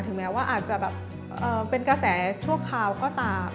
แม้ว่าอาจจะแบบเป็นกระแสชั่วคราวก็ตาม